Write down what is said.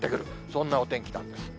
そんなお天気なんです。